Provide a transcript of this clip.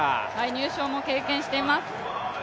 入賞も経験しています。